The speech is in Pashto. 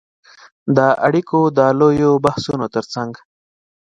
د اړیکو د لویو بحثونو ترڅنګ